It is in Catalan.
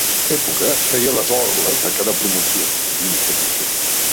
Època feia les orles de cada promoció —diu, satisfet—.